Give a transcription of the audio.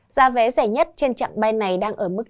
gia vé rẻ nhất trên trạm bay này đang ở mức